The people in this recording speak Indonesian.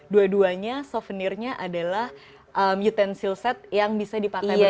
dua duanya souvenirnya adalah utential set yang bisa dipakai banyak